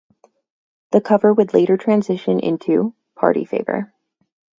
The cover would later transition into "Party Favor".